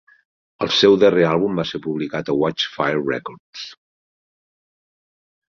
El seu darrer àlbum va ser publicat a Watchfire Records.